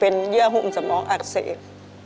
เป็นเยื่อหุ้มสมองอักเสบ